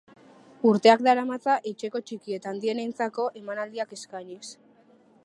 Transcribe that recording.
Urteak daramatza etxeko txiki eta handientzako emanaldiak eskainiz.